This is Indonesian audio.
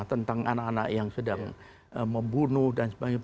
tentang anak anak yang sedang membunuh dan sebagainya